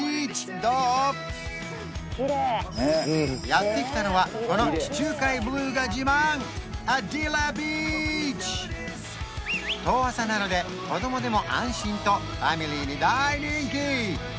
やって来たのはこの地中海ブルーが自慢遠浅なので子供でも安心とファミリーに大人気